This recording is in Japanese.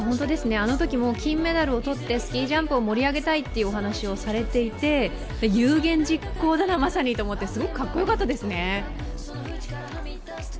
あのとき、金メダルを取ってスキージャンプを盛り上げたいというお話をされていて、有言実行だな、まさにと思って、すごくかっこよかったですね。